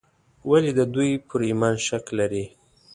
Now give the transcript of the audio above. ولې د دوی پر ایمان شک لري.